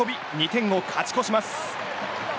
２点を勝ち越します。